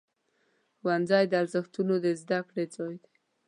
ښوونځی د ارزښتونو د زده کړې ځای دی.